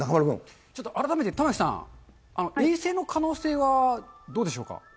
ちょっと、改めて玉城さん、衛星の可能性はどうでしょうか。